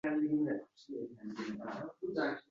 Sen shunday yayraki